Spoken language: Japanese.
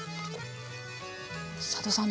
佐渡さん